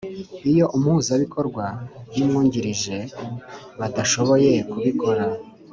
Iyo Umuhuzabikorwa n Umwungirije badashoboye kubikora